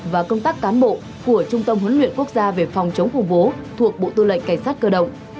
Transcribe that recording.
và công tác cán bộ của trung tâm huấn luyện quốc gia về phòng chống khủng bố thuộc bộ tư lệnh cảnh sát cơ động